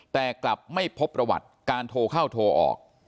แต่กลับไม่พบประวัติการโทรเข้าโทรออก